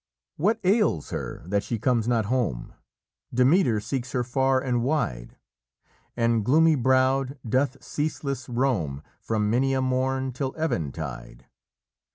"What ails her that she comes not home? Demeter seeks her far and wide, And gloomy browed doth ceaseless roam From many a morn till eventide.